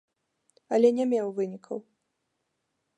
Але не меў вынікаў.